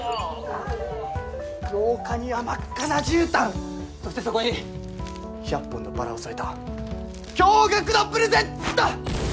廊下には真っ赤なじゅうたんそしてそこに１００本のバラを添えた驚がくのプレゼント！